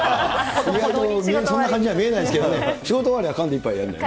そんな感じには見えないですけどね、仕事終わりは缶で一杯やるんだよね。